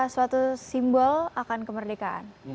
suatu simbol akan kemerdekaan